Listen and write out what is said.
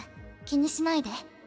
気にしないで。